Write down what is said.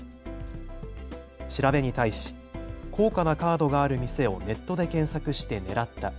調べに対し高価なカードがある店をネットで検索して狙った。